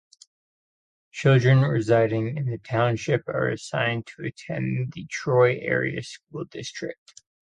Children residing in the township are assigned to attend the Troy Area School District.